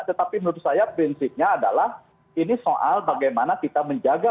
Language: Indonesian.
tetapi menurut saya prinsipnya adalah ini soal bagaimana kita menjaga